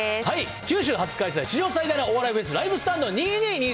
九州初開催、史上最大のお笑いフェス、ＬＩＶＥＳＴＡＮＤ２２ー２３